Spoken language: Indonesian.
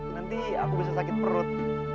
nanti aku bisa sakit perut